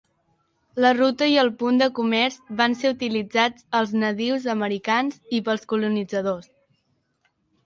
La ruta i el punt de comerç van ser utilitzats els nadius americans i pels colonitzadors.